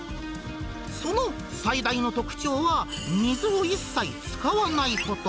その最大の特徴は、水を一切使わないこと。